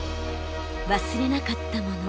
忘れなかったもの。